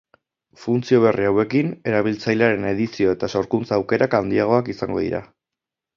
Funtzio berri hauekin, erabiltzailearen edizio eta sorkuntza aukerak handiagoak izango dira.